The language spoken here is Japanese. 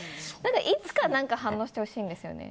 いつか反応してほしいんですよね。